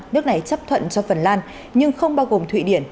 nước này chấp thuận cho phần lan nhưng không bao gồm thụy điển